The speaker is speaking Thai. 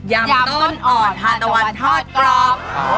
ำต้นอ่อนทานตะวันทอดกรอบ